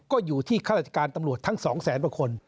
ก็อยู่ที่ฆาติการตำรวจทั้ง๒๐๐๐๐๐คน